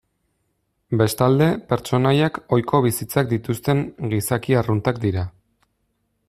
Bestalde, pertsonaiak ohiko bizitzak dituzten gizaki arruntak dira.